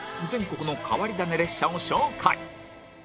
全国の変わり種列車を紹介